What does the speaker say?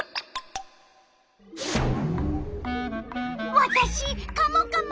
わたしカモカモ！